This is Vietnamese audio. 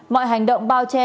mọi hành động bao che